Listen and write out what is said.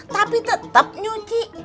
tapi tetap nyuci